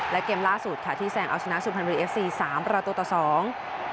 และเกมล่าสุดที่แสงอาชญาชุมฮันบุรีเอฟซีสามราตรตะสอง